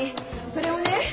それをね